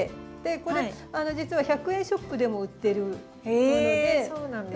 これ実は１００円ショップでも売ってるもので。